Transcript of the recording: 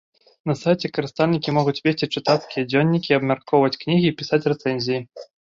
На сайце карыстальнікі могуць весці чытацкія дзённікі, абмяркоўваць кнігі і пісаць рэцэнзіі.